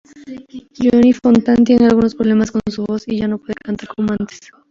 Johnny Fontane tiene algunos problemas con su voz, ya no puede cantar como antes.